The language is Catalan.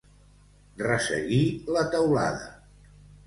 Resseguir la teulada.